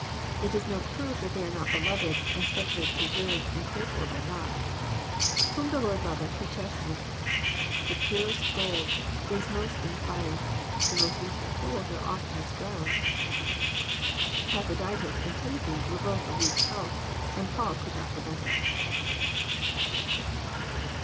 It is no proof that they are not beloved, and specially preserved and cared for by God. Whom the Lord loveth He chasteneth." The purest gold is most in the fire ; the most useftil tools are oftenest ground. Epaphroditus and Tim othy were both of weak health, and Paul could not prevent it.